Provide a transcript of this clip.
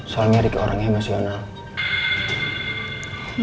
soalnya ricky orang emosional